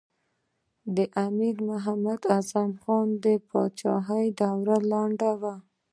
د امیر محمد اعظم خان د پاچهۍ دوره لنډه وه.